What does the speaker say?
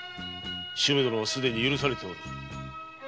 主馬殿はすでに許されておる。